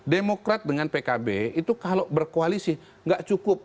demokrat dengan pkb itu kalau berkoalisi nggak cukup